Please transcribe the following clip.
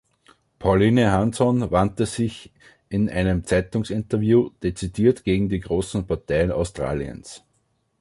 Pauline Hanson wandte sich in einem Zeitungsinterview dezidiert gegen die großen Parteien Australiens.